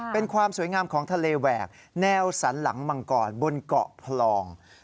เป็นความสวยงามของทะเลแหวกแนวสันหลังมังกรบนเกาะพลอง